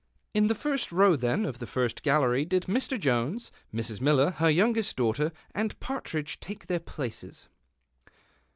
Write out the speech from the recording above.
In the first row, then, of the first gallery did Mr. Jones, Mrs. Miller, her youngest daughter, and Part ridge take their places.